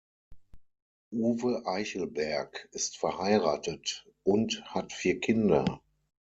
Uwe Eichelberg ist verheiratet und hat vier Kinder.